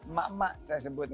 mak mak saya sebutnya